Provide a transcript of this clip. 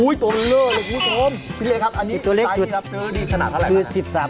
โอ๊ยตัวเลี่ยวเลยคุณผู้ชม